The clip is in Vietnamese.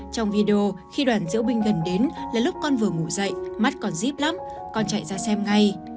trong video khi đoàn diễu binh gần đến là lúc con vừa ngủ dậy mắt còn díp lắm con chạy ra xem ngay